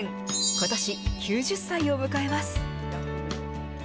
ことし、９０歳を迎えます。